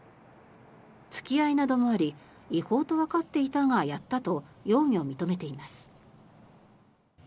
付き合いなどもあり違法とわかっていたがやったと容疑を認めています。